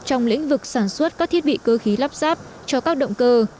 trong lĩnh vực sản xuất các thiết bị cơ khí lắp ráp cho các động cơ